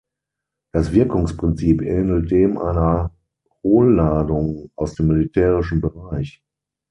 Das Wirkungsprinzip ähnelt dem einer Hohlladung aus dem militärischen Bereich.